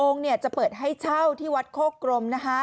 ๖๐๐๐องค์จะเปิดให้เช่าที่วัดโคกรม